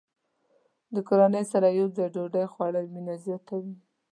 د کورنۍ سره یوځای ډوډۍ خوړل مینه زیاته وي.